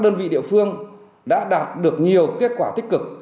đơn vị địa phương đã đạt được nhiều kết quả tích cực